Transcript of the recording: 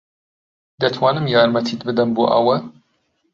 دەتوانم یارمەتیت بدەم بۆ ئەوە؟